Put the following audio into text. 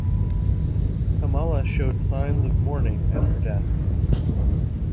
Kamala showed signs of mourning at her death.